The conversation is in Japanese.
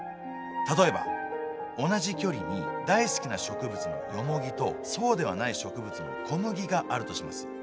例えば同じ距離に大好きな植物のヨモギとそうではない植物のコムギがあるとします。